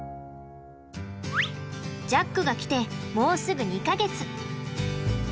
ジャックが来てもうすぐ２か月。